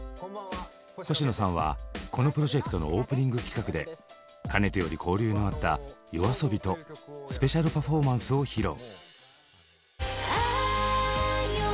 星野さんはこのプロジェクトのオープニング企画でかねてより交流のあったＹＯＡＳＯＢＩとスペシャルパフォーマンスを披露。